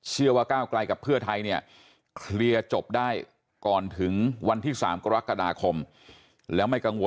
หรือเป็นการสื่อสารภายในซึ่งไม่ตกลงกันเอง